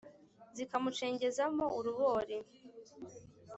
Zikamucengeza mo uruboli